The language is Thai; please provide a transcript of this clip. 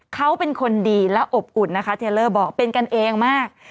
เขาเป็นคนดีและอบอุ่นนะคะเทลเลอร์บอกเป็นกันเองมาก